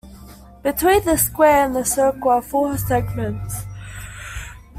Between the square and the circle are four segments.